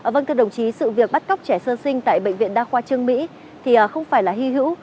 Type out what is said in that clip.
vâng thưa đồng chí sự việc bắt cóc trẻ sơ sinh tại bệnh viện đa khoa trương mỹ thì không phải là hy hữu